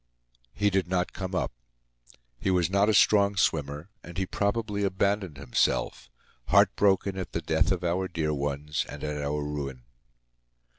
He did not come up. He was not a strong swimmer, and he probably abandoned himself, heart broken at the death of our dear ones and at our ruin.